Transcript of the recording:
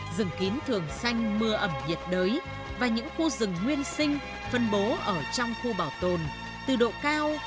rừng kín thường xanh mưa ẩm nhiệt đới và những khu rừng nguyên sinh phân bố ở trong khu bảo tồn từ độ cao tám trăm linh đến một sáu trăm linh m